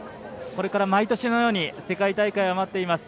これから毎年のように世界大会が待っています。